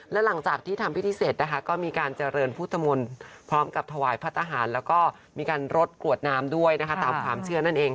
และหลังจากที่ทำพิธีเสร็จนะคะก็มีการเจริญพุทธมนต์พร้อมกับถวายพระทหารแล้วก็มีการรดกรวดน้ำด้วยนะคะตามความเชื่อนั่นเอง